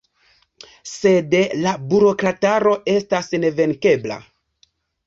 Sed la burokrataro estas nevenkebla.